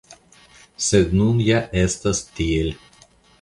Sed nun ja estas tiel.